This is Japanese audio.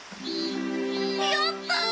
やった！